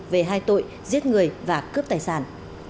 về hai tội giết người và cướp tài sản